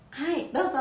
どうぞ。